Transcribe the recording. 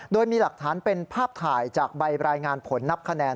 โดยมีหลักฐานเป็นภาพถ่ายจากใบรายงานผลนับคะแนน